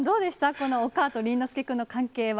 このおかあと倫之亮君の関係は。